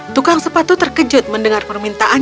tukang sepatu terkejut mendengar permintaan